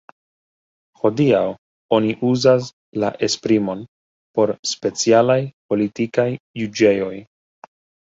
Hodiaŭ oni uzas la esprimon por specialaj politikaj juĝejoj.